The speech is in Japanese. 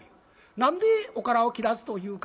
何で「おから」を「きらず」と言うか。